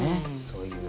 そういう。